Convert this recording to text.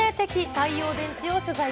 太陽電池を取